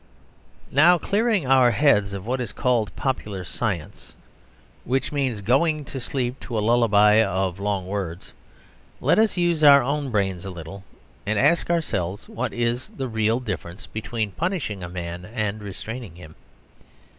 Now, clearing our heads of what is called popular science (which means going to sleep to a lullaby of long words), let us use our own brains a little, and ask ourselves what is the real difference between punishing a man and restraining him.